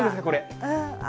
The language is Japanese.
これ。